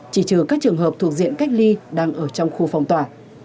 chỉ trừ các trường hợp thuộc diện cách ly đang ở trong khu phong tỏa